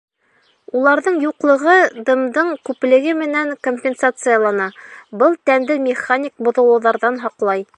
Уларҙың юҡлығы дымдың күплеге менән компенсациялана, был тәнде механик боҙолоуҙарҙан һаҡлай.